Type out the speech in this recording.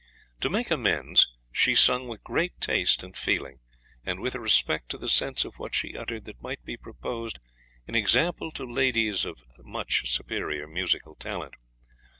To make amends, she sung with great taste and feeling, and with a respect to the sense of what she uttered that might be proposed in example to ladies of much superior musical talent.